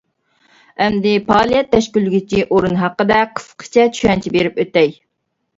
ئەمدى پائالىيەت تەشكىللىگۈچى ئورۇن ھەققىدە قىسقىچە چۈشەنچە بېرىپ ئۆتەي.